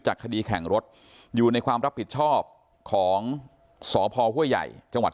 คดีแข่งรถอยู่ในความรับผิดชอบของสพห้วยใหญ่จังหวัด